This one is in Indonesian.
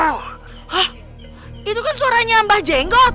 hah itu kan suaranya ambah jenggot